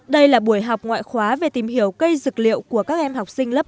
đây là buổi học ngoại khóa về tìm hiểu cây dược liệu của các em học sinh lớp chín